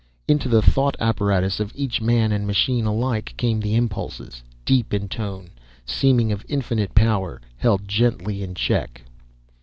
Into the thought apparatus of each, man and machine alike, came the impulses, deep in tone, seeming of infinite power, held gently in check.